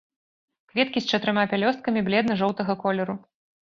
Кветкі з чатырма пялёсткамі, бледна-жоўтага колеру.